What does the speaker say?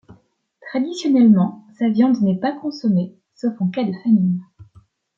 Traditionnellement, sa viande n'est pas consommée, sauf en cas de famine.